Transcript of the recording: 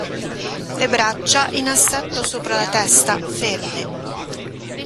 Le braccia in assetto sopra la testa ferme.